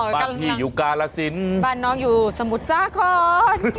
บ้านพี่อยู่กาลสินบ้านน้องอยู่สมุทรสาคร